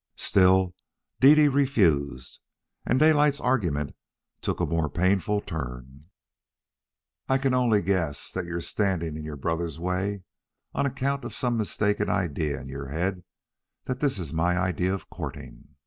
Still Dede refused, and Daylight's argument took a more painful turn. "I can only guess that you're standing in your brother's way on account of some mistaken idea in your head that this is my idea of courting.